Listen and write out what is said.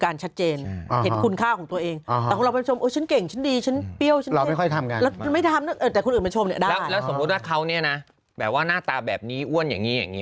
แล้วสมมุติว่าเขาเนี่ยนะแบบว่าหน้าตาแบบนี้อ้วนอย่างนี้อย่างนี้